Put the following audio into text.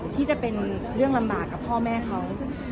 ที่จะเป็นเรื่องลำบากกับพ่อแม่เขา